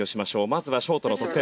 まずはショートの得点です。